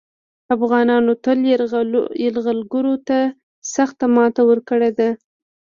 افغانانو تل یرغلګرو ته سخته ماته ورکړې ده